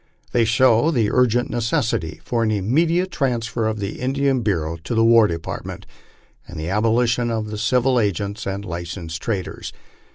They show the urgent necessity for an immediate transfer of the Indian Bureau to the War Department, and the abolition of the civil agents and licet, sed traders.